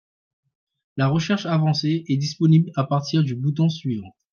La recherche avancée est disponible à partir du bouton suivant